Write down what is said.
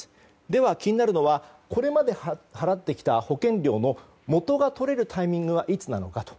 では気になるのはこれまで払ってきた保険料の元が取れるタイミングはいつなのか。